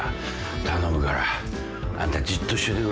頼むからあんたはじっとしててくれよ。